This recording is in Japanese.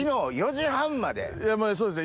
まぁそうですね